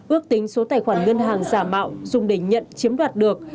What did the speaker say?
ước tính số tài khoản ngân hàng giả mạo dùng để nhận chiếm đoạt được